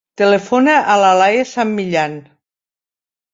Telefona a la Laia San Millan.